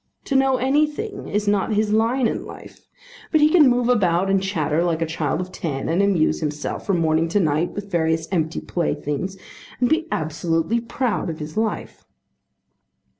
To know anything is not his line in life. But he can move about, and chatter like a child of ten, and amuse himself from morning to night with various empty playthings, and be absolutely proud of his life!